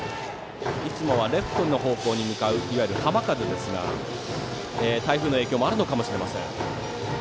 いつもはレフトの方向に向かういわゆる浜風ですが台風の影響もあるかもしれません。